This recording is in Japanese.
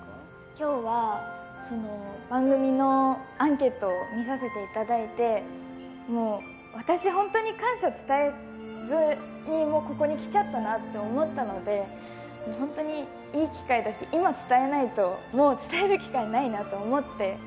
今日は番組のアンケートを見させていただいて私、本当に感謝伝えずにここに来ちゃったなと思ったので本当にいい機会だし今、伝えないともう伝える機会ないなと思って。